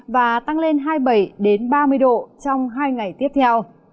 và tăng lên hai mươi bảy ba mươi độ trong hai ngày tiếp theo